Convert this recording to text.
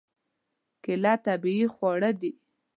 کېله طبیعي خواړه ده.